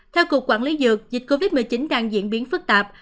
theo cục quản lý dược dịch covid một mươi chín đang diễn biến phức tạp